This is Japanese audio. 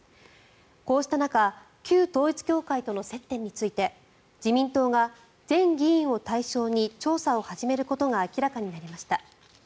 こうした中旧統一教会との接点について自民党が全議員を対象に調査を始めることが明らかになりました。